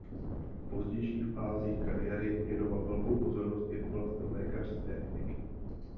V pozdějších fázích kariéry věnoval velkou pozornost i oblastem lékařské etiky.